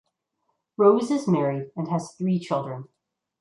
Rose is married and has three children.